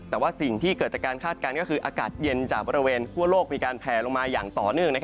แต่ว่าสิ่งที่เกิดจากการคาดการณ์ก็คืออากาศเย็นจากบริเวณทั่วโลกมีการแผลลงมาอย่างต่อเนื่อง